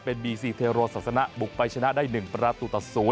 เป็นบีซีเทโรศาสนาบุกไปชนะได้๑ประตูต่อ๐